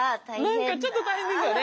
なんかちょっと大変ですよね。